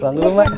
pulang dulu ma